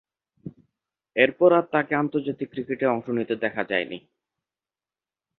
এরপর আর তাকে আন্তর্জাতিক ক্রিকেটে অংশ নিতে দেখা যায়নি।